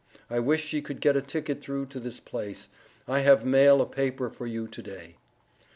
I wish she could get a ticket through to this place. I have mail a paper for you to day.